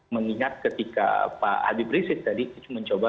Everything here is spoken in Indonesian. mengingat ketika pak habib rizik tadi mencoba